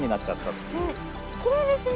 きれいですね。